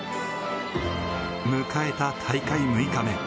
迎えた大会６日目。